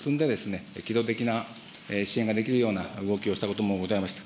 私も予備費をたくさん積んで、機動的な支援ができるような動きをしたこともございました。